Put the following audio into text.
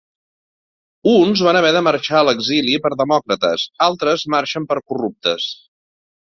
Uns van haver de marxar a l'exili per demòcrates, altres marxen per corruptes.